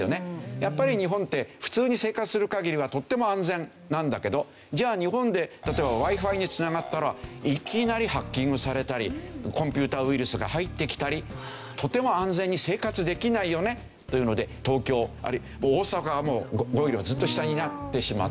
やっぱり日本って普通に生活する限りはとっても安全なんだけどじゃあ日本で例えばＷｉ−Ｆｉに繋がったらいきなりハッキングされたりコンピューターウイルスが入ってきたりとても安全に生活できないよねというので東京大阪はもう５位よりずっと下になってしまったっていう事。